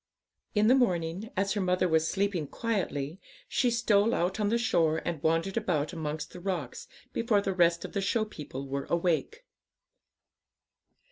In the morning, as her mother was sleeping quietly, she stole out on the shore and wandered about amongst the rocks before the rest of the show people were awake.